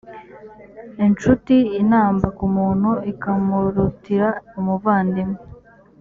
incuti inamba ku muntu ikamurutira umuvandimwe